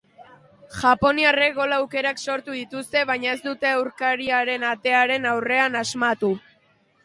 Japoniarrek gol aukerak sortu dituzte, baina ez dute aurkariaren atearen aurrean asmatu.